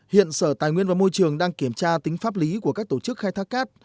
hiện sở tài nguyên và môi trường đang kiểm tra tính pháp lý của các tổ chức khai thác cát